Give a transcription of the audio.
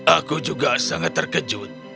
aku juga sangat terkejut